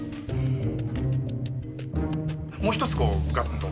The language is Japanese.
もう一つこうガッと。